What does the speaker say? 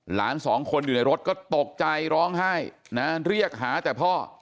หลานสองคนอยู่ในรถก็ตกใจร้องไห้นะเรียกหาแต่พ่อ